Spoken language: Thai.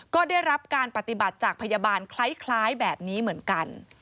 ก็ได้รับการปฏิบัติจากพยาบาลคล้ายแบบนี้เหมือนกัน